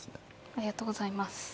ありがとうございます